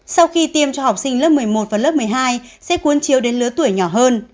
sau khi tiêm cho học sinh lớp một mươi một và lớp một mươi hai sẽ cuốn chiếu đến lứa tuổi nhỏ hơn